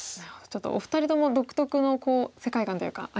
ちょっとお二人とも独特の世界観というかありますよね。